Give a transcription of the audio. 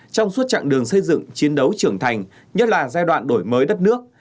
trong suốt chặng đường xây dựng chiến đấu trưởng thành nhất là giai đoạn đổi mới đất nước